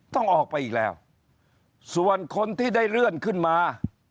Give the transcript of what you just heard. ต้องออกไปอีกแล้วส่วนคนที่ได้เลื่อนขึ้นมา